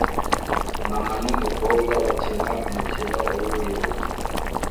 Mama numukobwa bakina umukino wubuyobozi